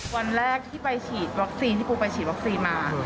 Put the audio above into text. วันแรกที่ไปฉีดวัคซีนที่ปูไปฉีดวัคซีนมา